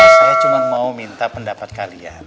saya cuma mau minta pendapat kalian